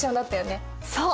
そう！